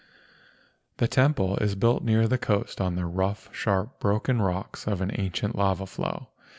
The temple is built near the coast on the rough, sharp, broken rocks of an ancient lava flow.